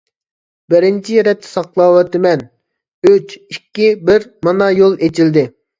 بىرىنچى رەتتە ساقلاۋاتىمەن، ئۇچ. ئىككى. بىر. مانا يول ئېچىلدى.